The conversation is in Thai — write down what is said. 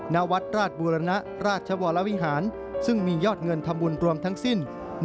ณวัดราชบูรณะราชวรวิหารซึ่งมียอดเงินทำบุญรวมทั้งสิ้น